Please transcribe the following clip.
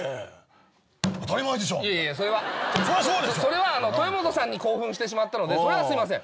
それは豊本さんに興奮してしまったのでそれはすいません。